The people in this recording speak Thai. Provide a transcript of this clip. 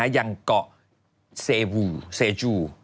อย่างเกาะเซวูเซจู